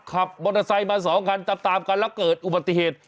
ขับมอเตอร์ไซค์มา๒คันตามกันแล้วเกิดอุบัติเหตุ